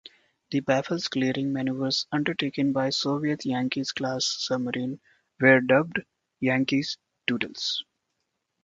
The baffles-clearing maneuvers undertaken by Soviet Yankee-class submarines were dubbed Yankee Doodles.